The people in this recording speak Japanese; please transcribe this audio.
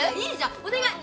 お願い！